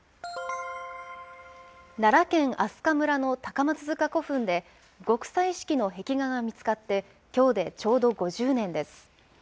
奈良県明日香村の高松塚古墳で極彩色の壁画が見つかってきょうでちょうど５０年です。